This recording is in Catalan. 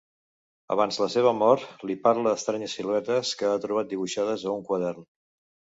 Abans la seva mort, li parla d'estranyes siluetes que ha trobat dibuixades a un quadern.